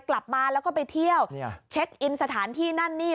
กลับมาแล้วก็ไปเที่ยวเช็คอินสถานที่นั่นนี่